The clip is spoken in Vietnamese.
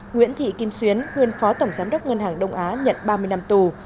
nguyễn thị kim xuyến nguyên phó tổng giám đốc ngân hàng đông á nhận ba mươi năm tù